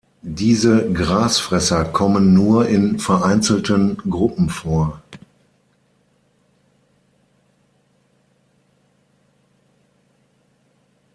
Diese Grasfresser kommen nur in vereinzelten Gruppen vor.